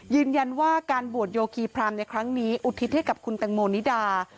ยืนยันว่าการบวชโยคีพรามในครั้งนี้อุทิศให้กับคุณแตงโมนิดา